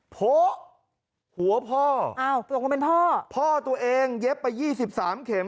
โผ๊ะหัวพ่อพ่อตัวเองเย็บไป๒๓เข็มครับ